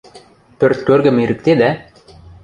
Пӧрт кӧргӹм ирӹктедӓ?